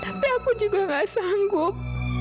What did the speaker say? tapi aku juga gak sanggup